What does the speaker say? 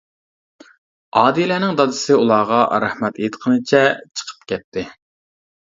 ئادىلەنىڭ دادىسى ئۇلارغا رەھمەت ئېيتقىنىچە چىقىپ كەتتى.